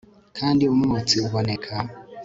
kandi umwotsi uboneka